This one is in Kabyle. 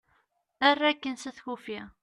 err akin s at kufi